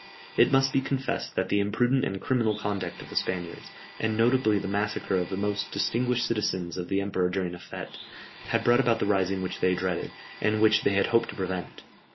It must be confessed that the imprudent and criminal conduct of the Spaniards, and notably the massacre of the most distinguished citizens of the empire during a fête, had brought about the rising which they dreaded, and which they had hoped to prevent.